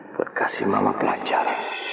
berkasih mama pelancar